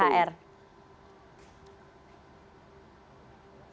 yang kita bayar tepat waktu